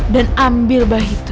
dan ambil bayi itu